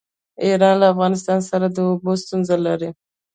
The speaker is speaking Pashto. ایران له افغانستان سره د اوبو ستونزه لري.